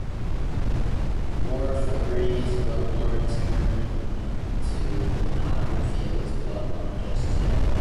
Worf agrees, but warns Kurn to not reveal his bloodline just yet.